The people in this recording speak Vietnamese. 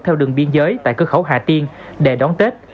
theo đường biên giới tại cơ khẩu hà tiên để đón tết